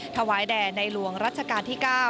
ถวายแด่ในหลวงรัชกาลที่๙